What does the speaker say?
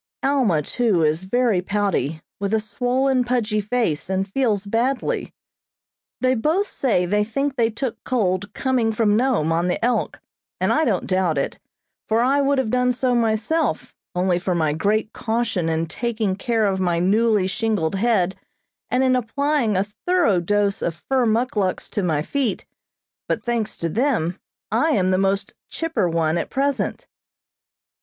Alma, too, is very pouty, with a swollen, pudgy face, and feels badly. They both say they think they took cold coming from Nome on the "Elk," and I don't doubt it, for I would have done so myself only for my great caution in taking care of my newly shingled head and in applying a thorough dose of fur muckluks to my feet, but, thanks to them, I am the most "chipper" one at present.